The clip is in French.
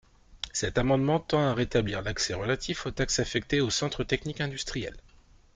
Cet amendement tend à rétablir l’article relatif aux taxes affectées aux centres techniques industriels.